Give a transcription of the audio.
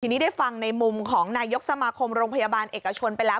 ทีนี้ได้ฟังในมุมของนายกสมาคมโรงพยาบาลเอกชนไปแล้ว